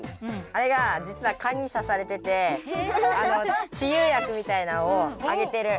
あれがじつは蚊にさされててちゆ薬みたいなのをあげてる。